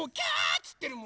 つってるもん。